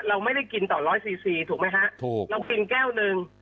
เราไม่ได้กินต่อร้อยซีซีถูกไหมฮะเรากินแก้วนึง